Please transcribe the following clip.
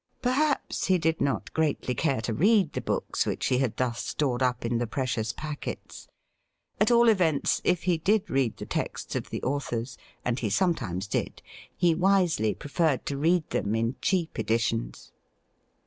Perhaps he did not greatly cai e to read the books which he had thus stored up BACK TO LONDON 129 in the precious packets ; at all events, if he did read the texts of the authors, and he sometimes did, he wisely pre ferred to read them in cheap editions.